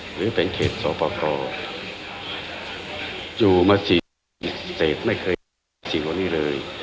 หรือเป็นเขตสวปกรอยู่มาสี่สิบไม่เคยสี่วันนี้เลย